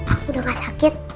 aku udah gak sakit